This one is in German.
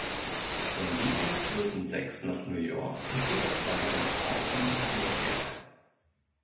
Von diesen führten sechs nach New York und jeweils eine nach Portland und Montreal.